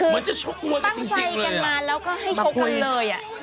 ปั้งใจกันมาแล้วก็ให้ชกกันเลย